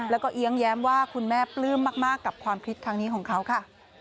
แล้วก็เอี๊ยงแย้มว่าคุณแม่ปลื้มมากกับความคิดครั้งนี้ของเขาค่ะ